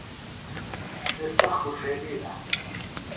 سےۡ سخت بُڇھیلِیلہ۔